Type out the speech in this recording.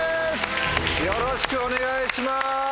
よろしくお願いします。